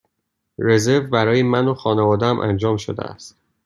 رزرو برای من و خانواده ام انجام شده است.